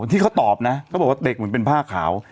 ที่เขาตอบนะเขาบอกว่าเด็กเหมือนเป็นผ้าขาว